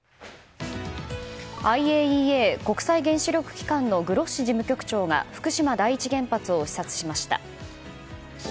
ＩＡＥＡ・国際原子力機関のグロッシ事務局長が福島第一原発を視察しました。